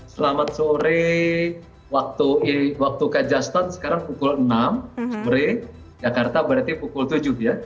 selamat sore waktu kajastan sekarang pukul enam sore jakarta berarti pukul tujuh ya